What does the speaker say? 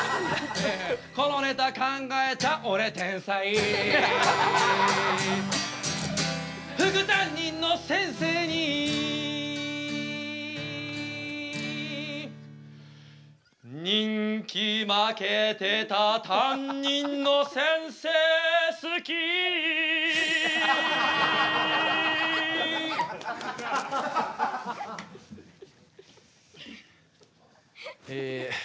このネタ考えた俺天才副担任の先生に人気負けてた担任の先生好きえ